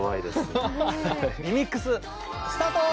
リミックススタート！